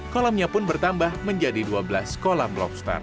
kolamnya pun bertambah menjadi dua belas kolam lobster